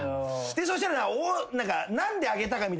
そしたら。